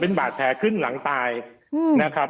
เป็นบาดแผลขึ้นหลังตายนะครับ